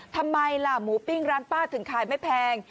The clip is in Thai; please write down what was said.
ทำไมล่ะหมูปิ้งร้านป้าถึงขายไม่แพง